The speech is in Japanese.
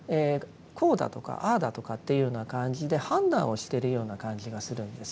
こうだとかああだとかっていうような感じで判断をしているような感じがするんです。